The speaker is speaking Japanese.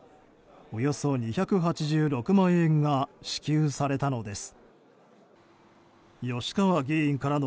およそ２８６万円が支給されたのです。